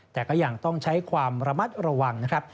แต่ก็ยังต้องใช้ความระมัดระวังนะครับ